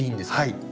はい。